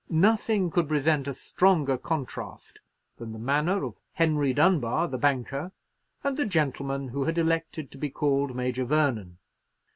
Nothing could present a stronger contrast than the manner of Henry Dunbar, the banker, and the gentleman who had elected to be called Major Vernon.